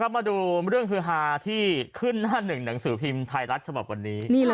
มาดูเรื่องฮือฮาที่ขึ้นหน้าหนึ่งหนังสือพิมพ์ไทยรัฐฉบับวันนี้